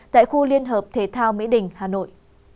tại khu liên hợp thể thao mỹ đình hà nội